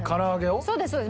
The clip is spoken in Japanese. そうですそうです。